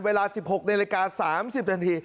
เวลา๑๖ในรายการ๓๐นาที